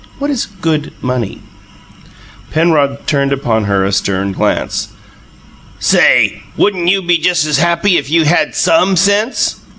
"What is 'good' money?" Penrod turned upon her a stern glance. "Say, wouldn't you be just as happy if you had SOME sense?"